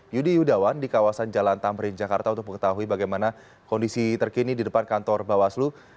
yudi yudawan di kawasan jalan tamrin jakarta untuk mengetahui bagaimana kondisi terkini di depan kantor bawaslu